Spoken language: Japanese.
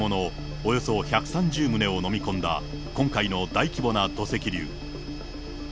およそ１３０棟を飲み込んだ、今回の大規模な土石流。